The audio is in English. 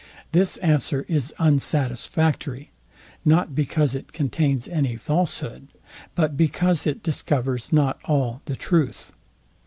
This answer is unsatisfactory; not because it contains any falshood, but because it discovers not all the truth.